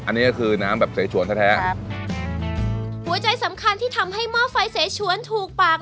อันนี้ก็คือน้ำแบบเสชวนแท้แท้ครับหัวใจสำคัญที่ทำให้หม้อไฟเสชวนถูกปาก